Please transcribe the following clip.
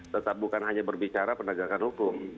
tetap bukan hanya berbicara penegakan hukum